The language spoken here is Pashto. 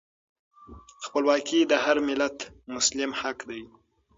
خپلواکي د هر ملت مسلم حق دی.